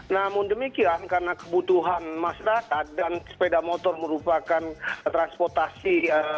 namun demikian karena kebutuhan masyarakat dan sepeda motor merupakan transportasi